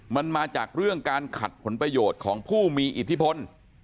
มันมาจากเรื่องการขัดผลประโยชน์ของผู้มีอิทธิพล